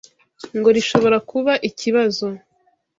ngo rishobora kuba ikibazo